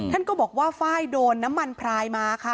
ท่านก็บอกว่าไฟล์โดนน้ำมันพรายมาค่ะ